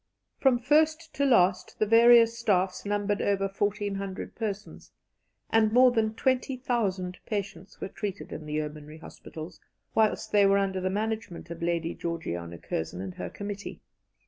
From first to last the various staffs numbered over 1,400 persons, and more than 20,000 patients were treated in the Yeomanry Hospitals whilst they were under the management of Lady Georgiana Curzon and her committee.